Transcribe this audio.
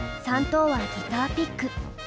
３等はギターピック。